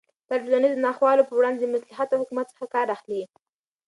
پلار د ټولنیزو ناخوالو په وړاندې د مصلحت او حکمت څخه کار اخلي.